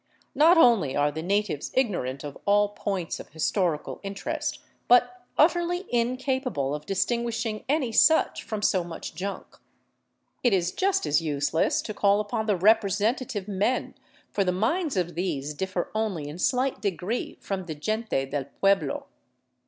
Not only are the natives ignorant of all points of historical interest, but utterly incapable of distinguishing any such from so much junk. It is just as useless to call upon the " representative men," for the minds of these differ only in slight degree from the gente del pueblo.